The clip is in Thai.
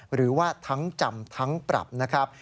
หรือว่าทั้งจำทั้งปรับนะครับ